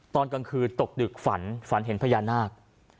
ตอนกลางคืนตกดึกฝันฝันเห็นพญานาค